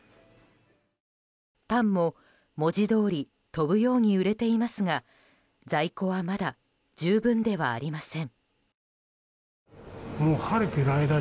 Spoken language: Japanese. パンも文字どおり飛ぶように売れていますが在庫はまだ十分ではありません。